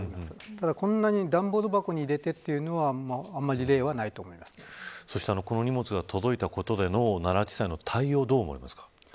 ただこんなに、段ボール箱に入れてというのはこの荷物が届いたことでの奈良地裁の対応はどう思いますか。